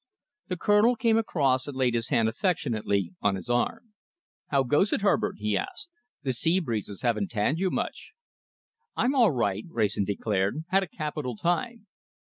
The Colonel came across and laid his hand affectionately on his arm. "How goes it, Herbert?" he asked. "The seabreezes haven't tanned you much." "I'm all right," Wrayson declared. "Had a capital time."